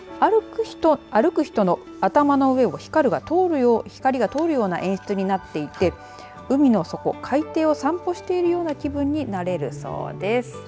歩く人の頭の上を光が通るような演出になっていて海の底、海底を散歩しているような気分になれるそうです。